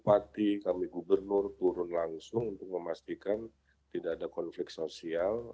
bupati kami gubernur turun langsung untuk memastikan tidak ada konflik sosial